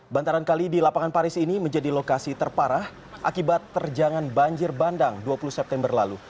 bantaran kali di lapangan paris ini menjadi lokasi terparah akibat terjangan banjir bandang dua puluh september lalu